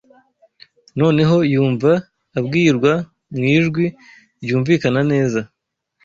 noneho yumva abwirwa mu ijwi ryumvikana neza